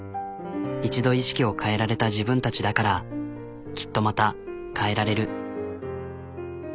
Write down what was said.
一度意識を変えられた自分たちだからきっとまた変えられる。